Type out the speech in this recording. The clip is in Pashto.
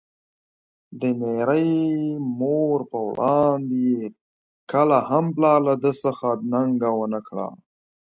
د ميرې مور په وړاندې يې کله هم پلار له ده څخه ننګه ونکړه.